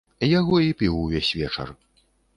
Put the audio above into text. Яго і піў увесь вечар.